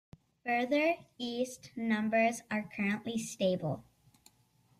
Further east, numbers are currently stable.